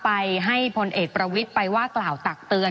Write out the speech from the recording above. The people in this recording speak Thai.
ไม่ได้เป็นประธานคณะกรุงตรี